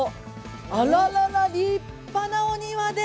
あらら、立派なお庭で。